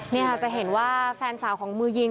นี่ค่ะจะเห็นว่าแฟนสาวของมือยิง